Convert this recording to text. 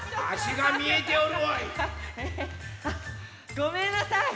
ごめんなさい。